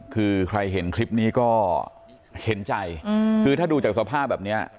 คือใครเห็นคลิปนี้ก็เห็นใจคือถ้าดูจากสภาพแบบเนี้ย